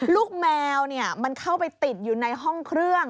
ลูกแมวมันเข้าไปติดอยู่ในห้องเครื่อง